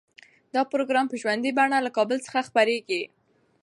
دا پروګرام په ژوندۍ بڼه له کابل څخه خپریږي.